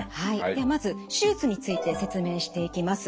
ではまず手術について説明していきます。